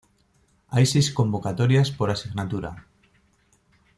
Hay seis convocatorias por asignatura.